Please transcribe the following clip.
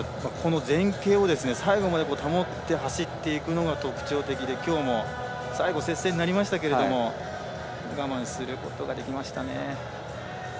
前傾を最後まで保って走っていくのが特徴的できょうも、最後接戦になりましたけど我慢することができました。